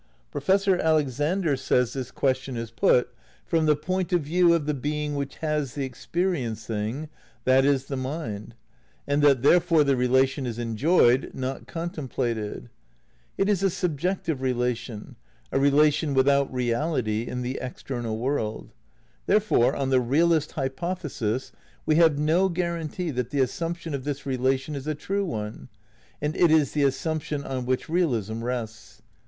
Professor Alexander says this question is put "from the point of view of the being which has the experiencing, that is, the mind," and that therefore the relation is enjoyed, not contem plated; it is a subjective relation, a relation without reality in the external world; therefore, on the realist hypothesis, we have no guarantee that the assumption of this relation is a true one — and it is the assumption on which realism rests.